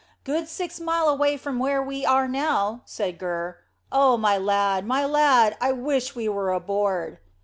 "Good six mile away from where we are now," said Gurr. "Oh, my lad, my lad, I wish we were aboard."